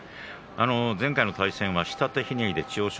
前回の対戦は下手ひねりで千代翔